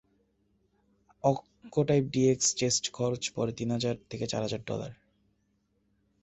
Oncotype DX টেস্টে খরচ পড়ে তিন হাজার থেকে চার হাজার ডলার।